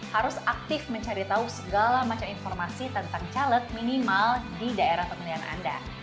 harus aktif mencari tahu segala macam informasi tentang caleg minimal di daerah pemilihan anda